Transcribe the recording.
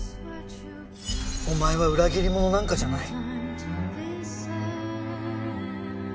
お前は裏切り者なんかじゃない！